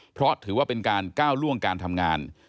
เพราะถือว่าเป็นการก้าวล่วงการทำงาน